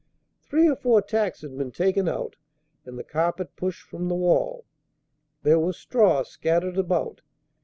Three or four tacks had been taken out, and the carpet pushed from the wall. There was straw scattered about.